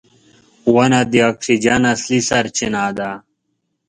• ونه د اکسیجن اصلي سرچینه ده.